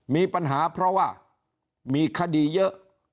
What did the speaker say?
มีปัญหาเพราะว่ามีคดีเยอะ